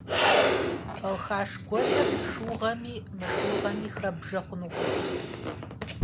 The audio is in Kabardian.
Балхаш гуэлыр шыугъэми мышыугъэми хэббжэ хъунукъым.